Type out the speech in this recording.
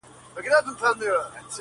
د اختر سهار ته مي,